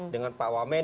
dengan pak wamen